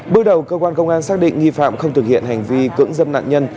bước đầu cơ quan công an xác định nghi phạm không thực hiện hành vi cưỡng dâm nạn nhân